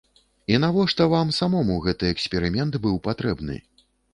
І навошта вам самому гэты эксперымент быў патрэбны?